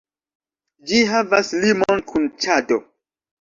Ĝi havas limon kun Ĉado.